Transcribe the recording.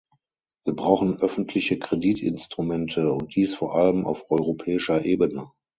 Wir brauchen öffentliche Kreditinstrumente und dies vor allem auf europäischer Ebene.